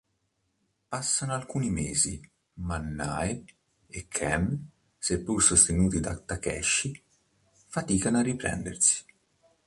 Passano alcuni mesi, ma Nae e Ken, seppur sostenuti da Takeshi, faticano a riprendersi.